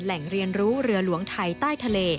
แหล่งเรียนรู้เรือหลวงไทยใต้ทะเล